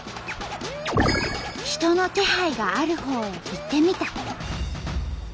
人の気配があるほうへ行ってみた。